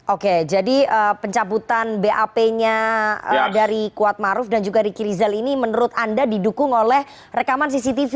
oke jadi pencabutan bap nya dari kuatmaruf dan juga riki rizal ini menurut anda didukung oleh rekaman cctv